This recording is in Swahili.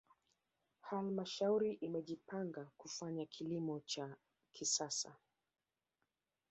halmashauri imejipanga kufanya kilimo cha kisasa